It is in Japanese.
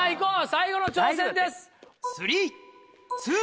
最後の挑戦です。